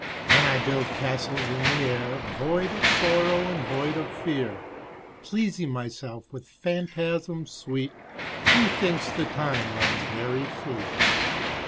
When I build castles in the air, Void of sorrow and void of fear, Pleasing myself with phantasms sweet, Methinks the time runs very fleet.